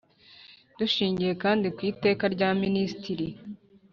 Dushingiye kandi ku iteka rya Minisitiri